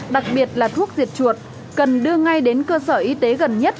đặc biệt là thuốc diệt chuột cần đưa ngay đến cơ sở y tế gần nhất